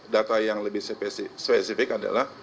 data yang lebih spesifik adalah